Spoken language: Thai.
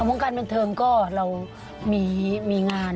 วงการบันเทิงก็เรามีงาน